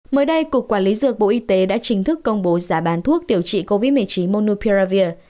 mới đây cục quản lý dược bộ y tế đã chính thức công bố giá bán thuốc điều trị covid một mươi chín monopiravir